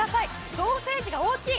ソーセージが大きい！